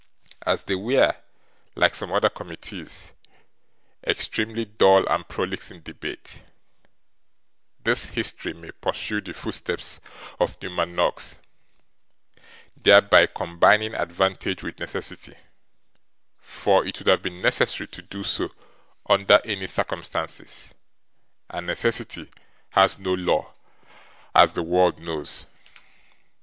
As they were, like some other committees, extremely dull and prolix in debate, this history may pursue the footsteps of Newman Noggs; thereby combining advantage with necessity; for it would have been necessary to do so under any circumstances, and necessity has no law, as all the world knows.